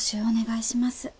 お願いします。